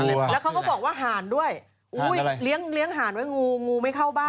แล้วเขาก็บอกว่าห่านด้วยเลี้ยงหานไว้งูงูไม่เข้าบ้าน